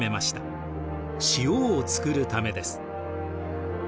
塩を作るためです。